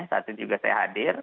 saat itu juga saya hadir